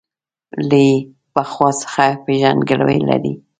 له پخوا څخه پېژندګلوي لري.